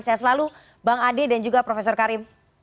saya selalu bang ade dan juga profesor karim